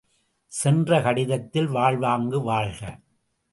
சென்ற கடிதத்தில் வாழ்வாங்கு வாழ்க!